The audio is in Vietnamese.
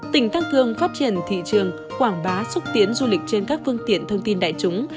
tỉnh tăng cường phát triển thị trường quảng bá xúc tiến du lịch trên các phương tiện thông tin đại chúng